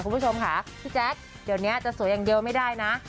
คุณผู้ชมค่ะพี่แจ๊คเดี๋ยวนี้จะสวยอย่างเดียวไม่ได้นะ